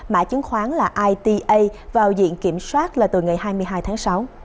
mãi chiến khoán là ita vào diện kiểm soát là từ ngày hai mươi hai tháng sáu